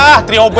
ustadz tadi ada